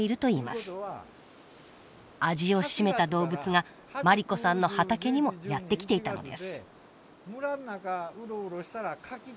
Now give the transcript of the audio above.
味を占めた動物が万里子さんの畑にもやって来ていたのです。